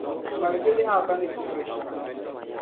Ŋmalgi liɣi a ba ni gbihiri shɛm.